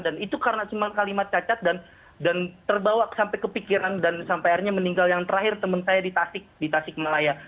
dan itu karena cuma kalimat cacat dan terbawa sampai kepikiran dan sampai akhirnya meninggal yang terakhir teman saya di tasik di tasik melayu